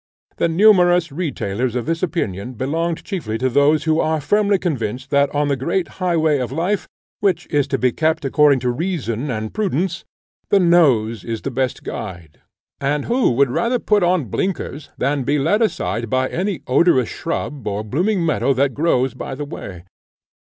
The numerous retailers of this opinion belonged chiefly to those who are firmly convinced that on the great high way of life, which is to be kept according to reason and prudence, the nose is the best guide; and who would rather put on blinkers than be led aside by any odorous shrub or blooming meadow that grows by the way.